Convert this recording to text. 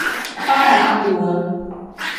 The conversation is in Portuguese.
Paranapuã